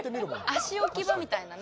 足置き場みたいなね。